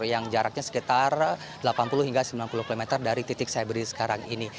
yang jaraknya sekitar delapan puluh hingga sembilan puluh km dari titik saya berdiri sekarang ini